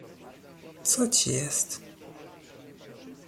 "co ci jest?"